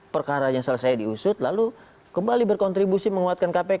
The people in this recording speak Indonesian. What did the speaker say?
perkaranya selesai diusut lalu kembali berkontribusi menguatkan kpk